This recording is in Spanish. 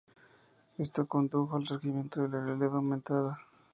Esto condujo al surgimiento de la realidad aumentada.